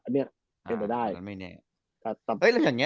นี่ไม่ได้